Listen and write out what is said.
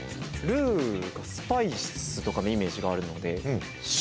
ルーがスパイスとかのイメージがあるので。